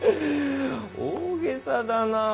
大げさだなあ。